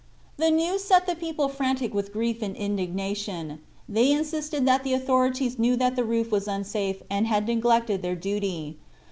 The news set the people frantic with grief and indignation. They insisted that the authorities knew that the roof was unsafe and had neglected their duty.